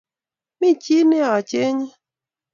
Mi chi ne acheng’e